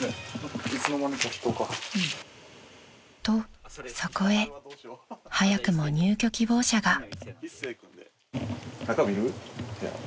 ［とそこへ早くも入居希望者が］